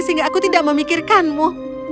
sehingga aku tidak memikirkanmu